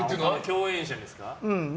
共演者ですか？